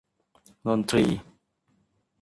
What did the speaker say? นนทรีย์